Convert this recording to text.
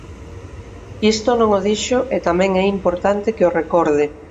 Isto non o dixo e tamén é importante que o recorde.